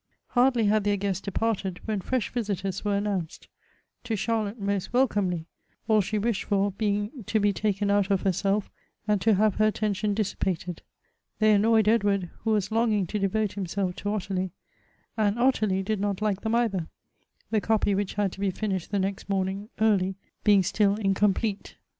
Hardly had their guests departed, when fresh visitors were announced — to Charlotte most welcomely, all she wished for being to be taken out of herself, and to have her attention dissipated. They annoyed Edward, who was longing to devote himself to Ottilie; and Ottilie did not like them either ; the copy which had to be finished the next morning early being still incomplete.